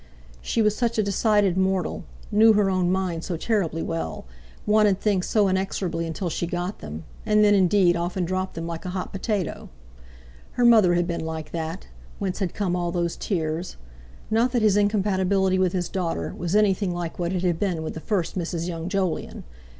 She was such a decided mortal; knew her own mind so terribly well; wanted things so inexorably until she got them—and then, indeed, often dropped them like a hot potato. Her mother had been like that, whence had come all those tears. Not that his incompatibility with his daughter was anything like what it had been with the first Mrs. Young Jolyon.